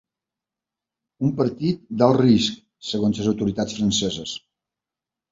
Un partit d’alt risc, segons les autoritats franceses.